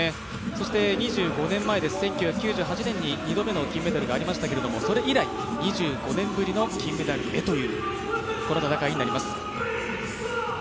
そして２５年前、１９９８年に２度目の金メダルがありましたけれどもそれ以来、２５年ぶりの金メダルへと、この戦いになります。